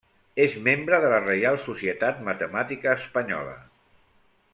És membre de la Reial Societat Matemàtica Espanyola.